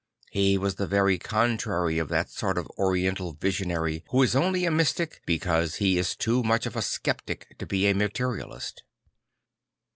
He was the very contrary of that sort of oriental visionary who is only a mystic because he is too much of a sceptic to be a materialist.